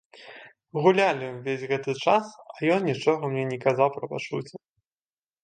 Гулялі ўвесь гэты час, а ён нічога мне не казаў пра пачуцці.